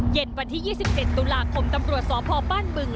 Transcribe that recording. เย็นวันที่๒๑ตุลาคมตำรวจสพบ้านบึง